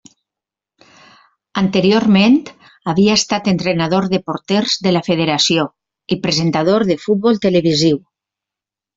Anteriorment havia estat entrenador de porters de la federació i presentador de futbol televisiu.